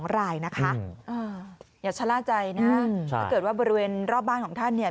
๒รายนะคะอย่าชะล่าใจนะถ้าเกิดว่าบริเวณรอบบ้านของท่านเนี่ย